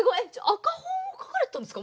赤本を描かれてたんですか？